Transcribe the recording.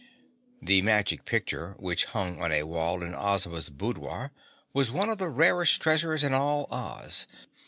The Magic Picture which hung on a wall in Ozma's boudoir was one of the rarest treasures in all Oz.